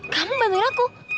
kamu bantuin aku